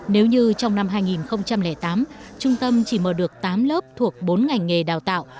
nếu như trong năm hai nghìn tám trung tâm chỉ mở được tám lớp thuộc bốn ngành nghề đào tạo